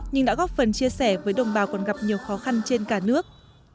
nhưng đã góp phần chia sẻ với đồng bào còn gặp nhiều khó khăn trên cả nước